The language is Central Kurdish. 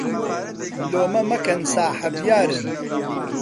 لۆمە مەکەن ساحەب یارن